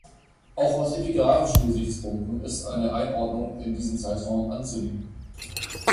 Auch aus epigraphischen Gesichtspunkten ist eine Einordnung in diesen Zeitraum anzunehmen.